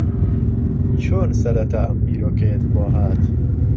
چۆن سەرەتا ئەم بیرۆکەیەت بۆ ھات؟